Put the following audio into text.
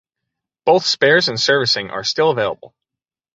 Both spares and servicing are still available.